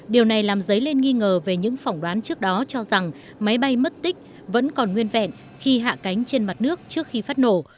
điều này làm dấy lên nghi ngờ về những phỏng đoán trước đó cho rằng máy bay mất tích vẫn còn nguyên vẹn khi hạ cánh trên mặt nước trước khi phát nổ